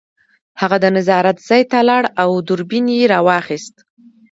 هغه د نظارت ځای ته لاړ او دوربین یې راواخیست